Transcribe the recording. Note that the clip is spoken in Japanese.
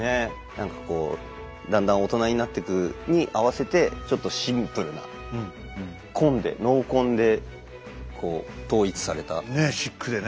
何かこうだんだん大人になっていくに合わせてちょっとシンプルな紺でねえシックでね。